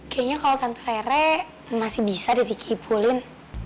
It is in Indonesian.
kayaknya kalo tante rere masih bisa dikibulin